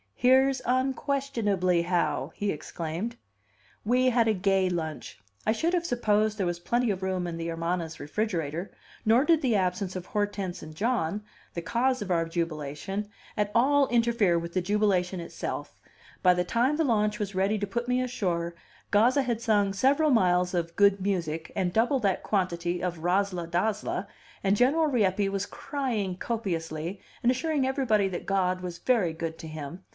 "Here's unquestionably how!" he exclaimed. We had a gay lunch; I should have supposed there was plenty of room in the Hermana's refrigerator; nor did the absence of Hortense and John, the cause of our jubilation, at all interfere with the jubilation itself; by the time the launch was ready to put me ashore, Gazza had sung several miles of "good music" and double that quantity of "razzla dazzla," and General Rieppe was crying copiously, and assuring everybody that God was very good to him.